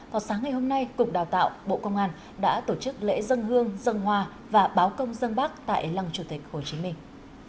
vào sáng ngày hôm nay cục đào tạo bộ công an đã tổ chức lễ dân hương dân hòa và báo công dân bác tại lăng chủ tịch hồ chí minh